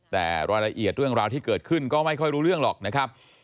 แต่รายละเอียดเรื่องราวที่เกิดขึ้นก็ไม่ค่อยรู้เรื่องหรอกนะครับ